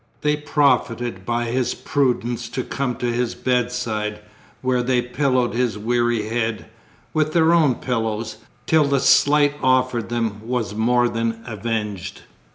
they profited by his prudence to come to his bedside, where they pillowed his weary head (with their own pillows) till the slight offered them was more than avenged.